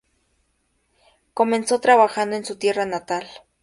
Comenzó trabajando en su tierra natal.